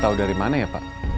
tahu dari mana ya pak